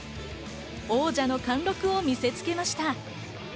王者の貫禄を見せつけました。